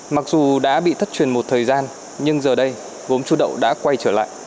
mặc dù đã bị thất truyền một thời gian nhưng giờ đây gốm chú đậu đã quay trở lại